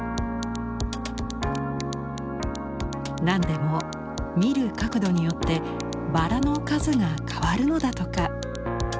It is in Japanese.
なんでも見る角度によってバラの数が変わるのだとか。